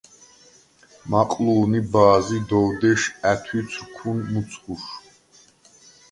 მაყლუ̄ნი ბა̄ზი, “დოვ დეშ ა̈თუ̈ცვრ ქვინ მჷცხუშ”.